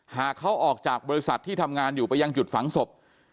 หากเขาออกจากบริษัทที่ทำงานอยู่ไปยังจุดฝังศพ